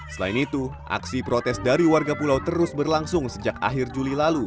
selain itu aksi protes dari warga pulau terus berlangsung sejak akhir juli lalu